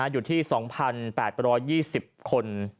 อยู่ที่๒๘๒๐คน